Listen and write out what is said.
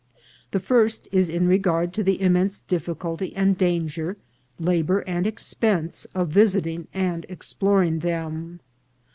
The first is in regard to the immense difficulty and danger, labour and expense, of visiting and exploring them.